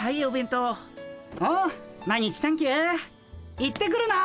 行ってくるな！